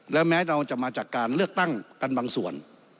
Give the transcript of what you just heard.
และแม้เราจะมาจากการเลือกตั้งกันบางส่วน